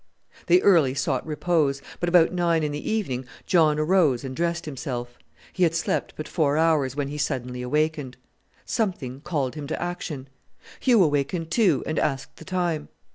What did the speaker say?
They early sought repose, but about nine in the evening John arose and dressed himself. He had slept but four hours when he suddenly awakened. Something called him to action. Hugh awakened too, and asked the time.